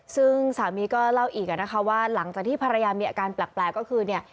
ซึ่งสามีก็เล่าอีกอักษรว่าหลังจากพัฒนี้พรรยามีอาการแปลกก็คือนี่